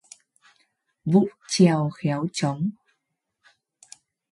Vụng chèo khéo trống